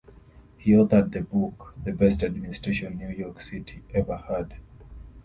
He authored the book "The Best Administration New York City Ever Had".